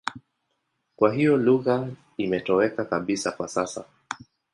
Kwa hiyo lugha imetoweka kabisa kwa sasa.